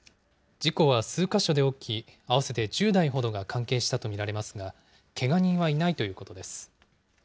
事故は数か所で起き、合わせて１０台ほどが関係したと見られますが、けが人はいないということです。